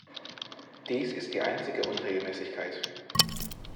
Dies ist die einzige Unregelmäßigkeit.